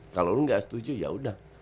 kalau lu gak setuju ya udah